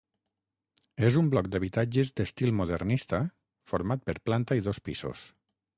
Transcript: És un bloc d'habitatges d'estil modernista format per planta i dos pisos.